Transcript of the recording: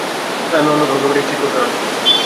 না, আমি অন্য কাউকে পাঠিয়েছি তোর কাছে।